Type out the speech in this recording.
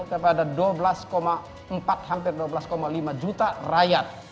kepada dua belas empat hampir dua belas lima juta rakyat